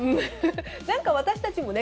何か、私たちもね